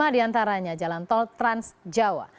lima diantaranya jalan tol trans jawa